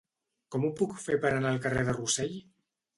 Com ho puc fer per anar al carrer de Rossell?